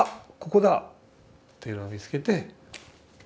ここだというのを見つけて。